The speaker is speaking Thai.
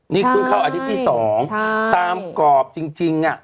นี่คุณเข้าอาทิตย์ที่สองใช่ตามกรอบจริงจริงอ่ะ